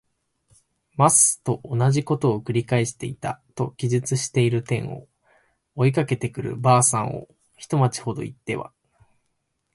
ます。」とおなじことを「くり返していた。」と記述している点を、追いかけてくる婆さんを一町ほど行っては